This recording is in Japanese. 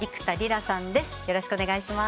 よろしくお願いします。